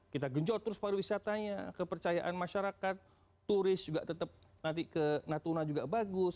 kita genjot terus pariwisatanya kepercayaan masyarakat turis juga tetap nanti ke natuna juga bagus